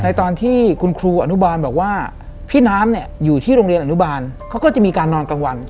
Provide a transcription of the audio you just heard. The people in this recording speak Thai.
ตอนที่คุณครูอนุบาลบอกว่าพี่น้ำเนี่ยอยู่ที่โรงเรียนอนุบาลเขาก็จะมีการนอนกลางวัน